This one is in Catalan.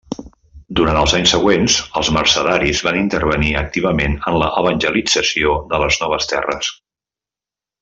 Durant els anys següents, els mercedaris van intervenir activament en l'evangelització de les noves terres.